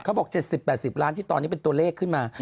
๗๐๘๐ล้านที่ตอนนี้เป็นตัวเลขขึ้นมา